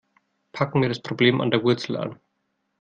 Packen wir das Problem an der Wurzel an.